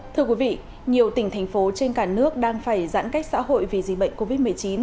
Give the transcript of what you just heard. thưa quý vị nhiều tỉnh thành phố trên cả nước đang phải giãn cách xã hội vì dịch bệnh covid một mươi chín